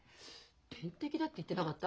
天敵だって言ってなかった？